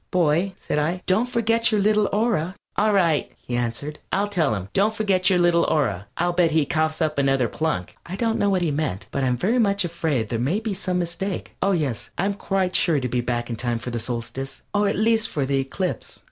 "Boy!" said I, "don't forget your little aura." "All right," he answered, "I'll tell him 'Don't forget your little aura.' I'll bet he coughs up another plunk." I don't know what he meant, but I am very much afraid there may be some mistake. Oh, yes, I am quite sure to be back in time for the Solstice. Or at least for the Eclipse.